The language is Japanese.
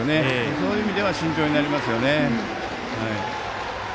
その意味では慎重になりますよね。